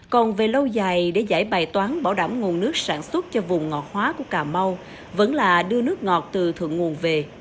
còn về lâu dài để giải bài toán bảo đảm nguồn nước sản xuất cho vùng ngọt hóa của cà mau vẫn là đưa nước ngọt từ thượng nguồn về